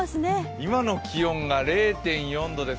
今の気温が０．４度です。